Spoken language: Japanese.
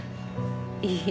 いいえ